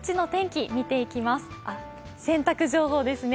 洗濯情報です。